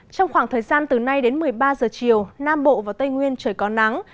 trong khoảng thời gian từ nay đến một mươi ba giờ chiều nam bộ và tây nguyên trời có nắng